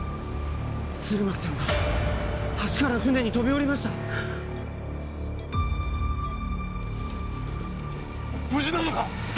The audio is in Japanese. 弦巻さんが橋から船に飛び降りました無事なのか？